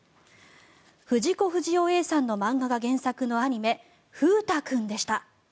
藤子不二雄Ａさんの漫画が原作のアニメ「フータくん」でした。